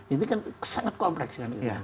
ini kan sangat kompleks